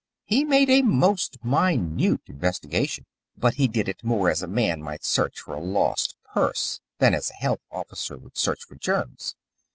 He made a most minute investigation, but he did it more as a man might search for a lost purse than as a health officer would search for germs.